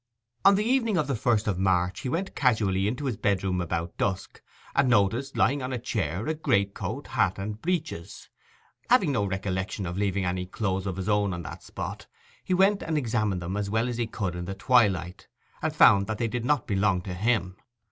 On the evening of the first of March he went casually into his bedroom about dusk, and noticed lying on a chair a greatcoat, hat, and breeches. Having no recollection of leaving any clothes of his own in that spot, he went and examined them as well as he could in the twilight, and found that they did not belong to him.